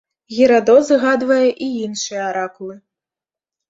Герадот згадвае і іншыя аракулы.